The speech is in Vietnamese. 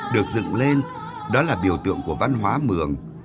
được dựng lên đó là biểu tượng của văn hóa mường